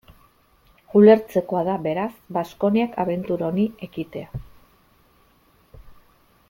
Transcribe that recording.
Ulertzekoa da, beraz, Baskoniak abentura honi ekitea.